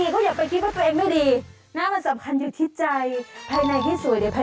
เห็นไหมเขาไม่ได้แคร์รูปร่างหน้าตาของเขา